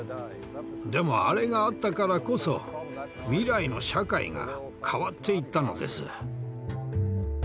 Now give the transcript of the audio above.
でもあれがあったからこそ未来の社会が変わっていったのです。